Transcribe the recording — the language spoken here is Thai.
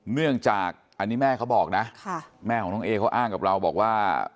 เนื่องจากอันนี้แม่เขาบอกนะแม่ของน้องเอเขาอ้างกับเราบอกว่า